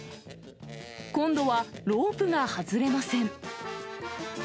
今度はロープが外れません。